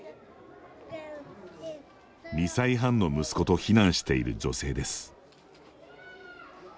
２歳半の息子と避難している女性です。